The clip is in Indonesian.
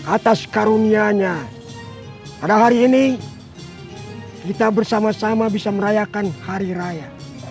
atas karunianya pada hari ini kita bersama sama bisa merayakan hari raya